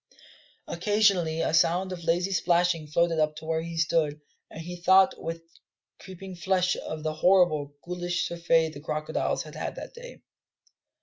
Occasionally a sound of lazy splashing floated up to where he stood, and he thought with creeping flesh of the horrible, ghoulish surfeit the crocodiles had had that day.